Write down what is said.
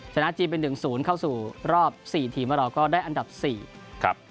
คณะจีนเป็น๑๐เข้าสู่รอบ๔ทีมว่าเราก็ได้อันดับ๔